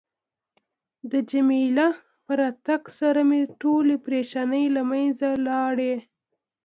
د جميله په راتګ سره مې ټولې پریشانۍ له منځه لاړې.